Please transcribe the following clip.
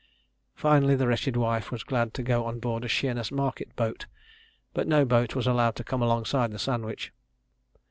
Finally, the wretched wife was glad to go on board a Sheerness market boat, but no boat was allowed to come alongside the Sandwich.